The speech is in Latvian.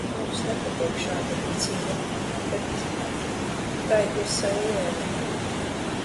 Mums nepatīk šāda rīcība, bet tai ir sava jēga.